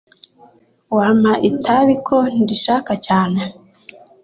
Wampa itabi ko ndishaka cyane?